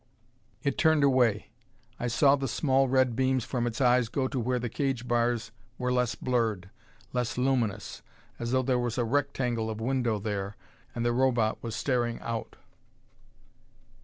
It turned away. I saw the small red beams from its eyes go to where the cage bars were less blurred, less luminous, as though there was a rectangle of window there, and the Robot was staring out.